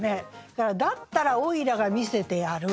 それから「だったらおいらが見せてやる」。